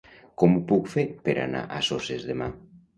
Com ho puc fer per anar a Soses demà?